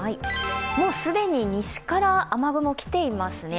もうすでに西から雨雲来ていますね。